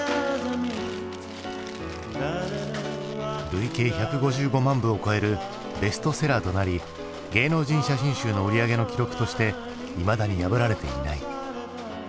累計１５５万部を超えるベストセラーとなり芸能人写真集の売り上げの記録としていまだに破られていない。